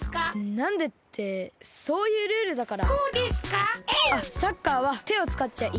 なんでってそういうルールだから。